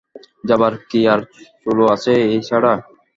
যাবার কি আর চুলো আছে এই ছাড়া?